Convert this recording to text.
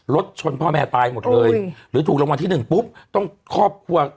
รถชนพ่อแม่ตายหมดเลยหรือถูกรางวัลที่หนึ่งปุ๊บต้องครอบครัว